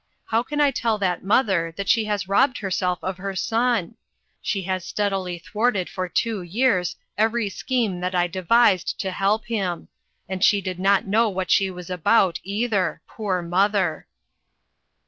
How can I tell that mother that she has robbed herself of her son ? She has steadily thwarted for two years every scheme that I devised to help him ; and she did not know what she was about, either, poor mother